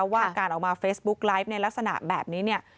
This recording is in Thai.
ว่าการออกมาเฟซบุ๊กไลฟ์ในลักษณะแบบนี้เนี่ย